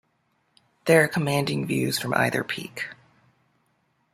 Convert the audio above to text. There are commanding views from either peak.